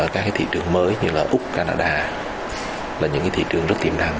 các cái thị trường mới như là úc canada là những cái thị trường rất tiềm đẳng